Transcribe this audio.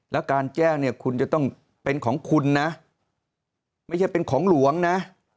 แล้วการแจ้งเนี่ยคุณจะต้องเป็นของคุณนะไม่ใช่เป็นของหลวงนะ